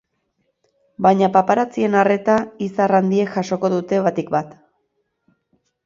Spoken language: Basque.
Baina paparazzien arreta izar handiek jasoko dute batik bat.